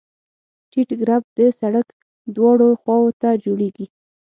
ټیټ کرب د سرک دواړو خواو ته جوړیږي